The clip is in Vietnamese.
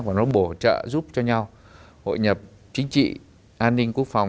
và nó bổ trợ giúp cho nhau hội nhập chính trị an ninh quốc phòng